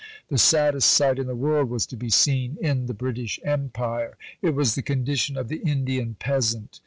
"The saddest sight in the world" was to be seen in the British Empire; it was the condition of the Indian peasant.